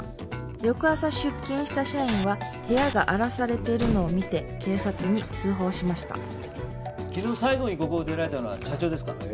翌朝出勤した社員は部屋が荒らされているのを見て警察に通報しました昨日最後にここを出られたのは社長ですか？